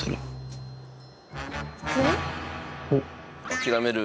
諦める？